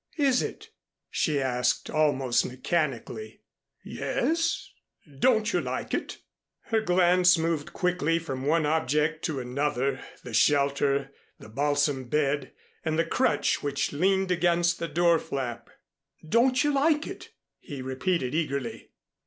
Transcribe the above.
"Is it?" she asked almost mechanically. "Yes, don't you like it?" Her glance moved quickly from one object to another the shelter, the balsam bed, and the crutch which leaned against the door flap. "Don't you like it?" he repeated eagerly.